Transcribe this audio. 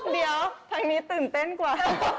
เดี๋ยวทางนี้ตื่นเต้นกว่า